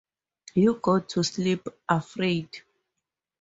You go to sleep afraid.